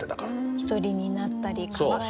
一人になったり考えなくちゃ。